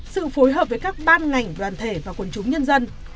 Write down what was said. sự phối hợp với các ban ngành đoàn thể và quân chúng nhân dân